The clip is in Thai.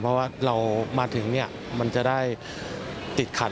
เพราะว่าเรามาถึงมันจะได้ติดขัด